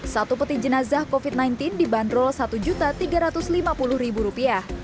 satu peti jenazah covid sembilan belas dibanderol rp satu tiga ratus lima puluh